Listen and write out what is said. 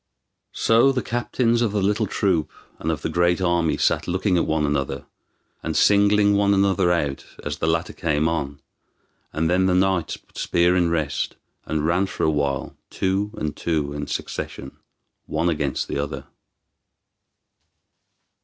So the captains of the little troop and of the great army sat looking at one another, and singling one another out as the latter came on, and then the knights put spear in rest, and ran for a while two and two in succession, one against the other.